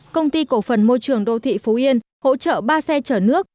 công ty cổ phần môi trường đô thị phú yên hỗ trợ ba xe chở nước